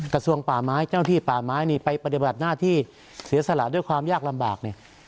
กระทรวงป่าไม้เจ้าที่ป่าไม้นี่ไปปฏิบัติหน้าที่เสียสละด้วยความยากลำบากเนี่ย